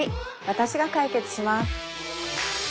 私が解決します